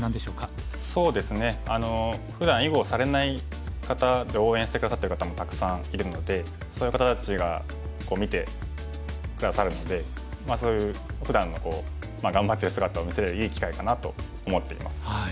そうですねふだん囲碁をされない方で応援して下さってる方もたくさんいるのでそういう方たちが見て下さるのでそういうふだんの頑張ってる姿を見せるいい機会かなと思っています。